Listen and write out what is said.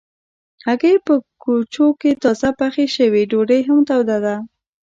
هګۍ په کوچو کې تازه پخې شوي ډوډۍ هم توده ده.